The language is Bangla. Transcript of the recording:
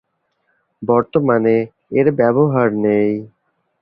বর্তমানে এর ব্যবহার নেই।